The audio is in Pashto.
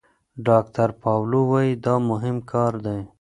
ډاکتر پاولو وايي دا مهم کار دی.